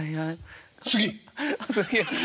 次！